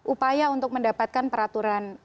upaya untuk mendapatkan peraturan